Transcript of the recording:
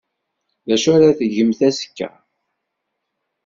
D acu ara tgemt azekka?